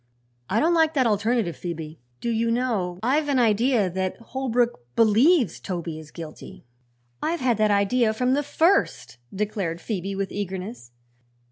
I don't like that alternative, Phoebe. Do you know, I've an idea that Holbrook believes Toby is guilty?" "I've had that idea from the first," declared Phoebe with eagerness.